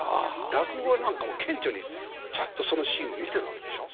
落語なんかもう顕著にすっとそのシーンを見てるわけでしょ？